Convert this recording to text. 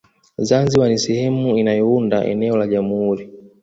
Zanzibar ni sehemu inayounda eneo la Jamhuri